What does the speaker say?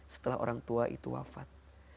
setelah orang tua itu wafat